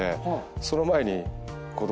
その前に。